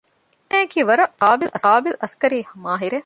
އޭނާއަކީ ވަރަށް ޤާބިލު އަސްކަރީ މާހިރެއް